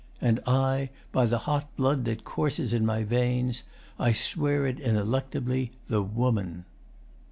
] And I By the hot blood that courses i' my veins I swear it ineluctably the woman!